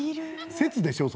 説でしょう？